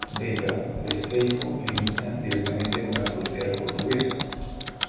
Veiga del Seijo limita directamente con la frontera portuguesa.